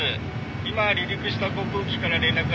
今離陸した航空機から連絡ありました。